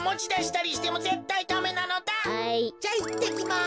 じゃいってきます。